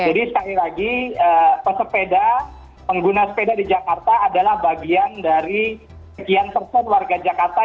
jadi sekali lagi pesepeda pengguna sepeda di jakarta adalah bagian dari sekian persen warga jakarta